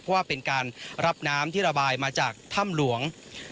เพราะว่าเป็นการรับน้ำที่ระบายมาจากถ้ำหลวง